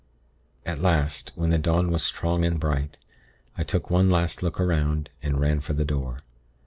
"At last, when the dawn was strong and bright, I took one last look 'round, and ran for the door.